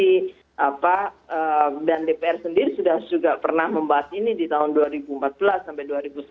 nah dan dpr sendiri sudah juga pernah membahas ini di tahun dua ribu empat belas sampai dua ribu sembilan belas